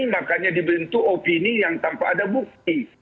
makanya dibentuk opini yang tanpa ada bukti